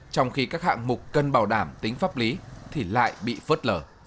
trong khi các hạng mục cần bảo đảm tính pháp lý thì lại bị phớt lở